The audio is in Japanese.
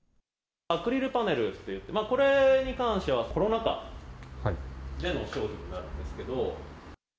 アクリルパネルといって、これに関しては、コロナ禍での商品になるんですけど。